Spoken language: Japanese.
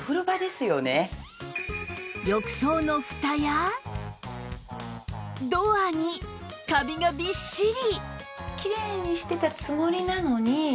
浴槽のふたやドアにカビがびっしり